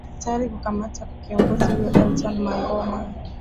tayari kukamata kwa kiongozi huyo elton mangoma